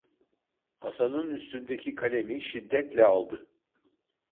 Masanın üstündeki kalemi şiddetle aldı…